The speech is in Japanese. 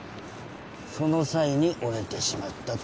その際に折れてしまったと。